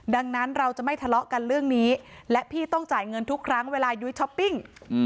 ดังนั้นเราจะไม่ทะเลาะกันเรื่องนี้และพี่ต้องจ่ายเงินทุกครั้งเวลายุ้ยช้อปปิ้ง